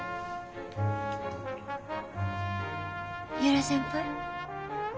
由良先輩？